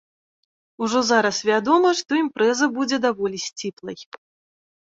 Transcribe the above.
Ужо зараз вядома, што імпрэза будзе даволі сціплай.